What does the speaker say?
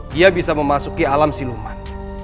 dia bisa memasuki alam siluman